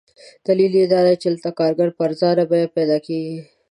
دلیل یې دادی چې دلته کارګر په ارزانه بیه پیدا کېږي.